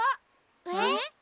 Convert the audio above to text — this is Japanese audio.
えっ？